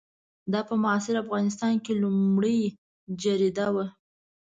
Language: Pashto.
دا په معاصر افغانستان کې لومړنۍ جریده وه.